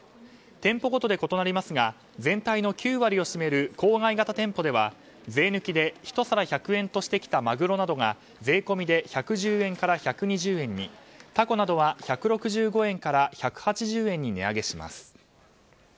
店舗ごとで異なりますが全体の９割を占める郊外型店舗では税抜きで１皿１００円としてきたマグロなどが税込みで１１０円から１２０円にタコなどは１６５円から１８０円に値上げします。